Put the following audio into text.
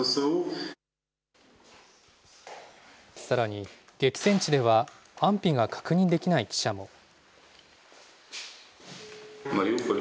さらに、激戦地では安否が確認できない記者も。